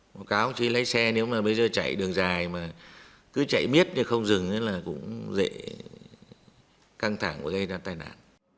một cáo chỉ lấy xe nếu mà bây giờ chạy đường dài mà cứ chạy miết nhưng không dừng là cũng dễ căng thẳng và gây ra tai nạn